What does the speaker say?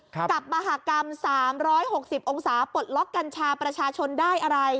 กับมหากรรม๓๖๐องศาปลดล็อกกัญชาประชาชนได้อะไร